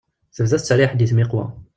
Tebda tettserriḥ-d i tmiqwa.